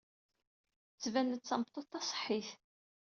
Tettban-d d tameṭṭut taṣeḥḥit.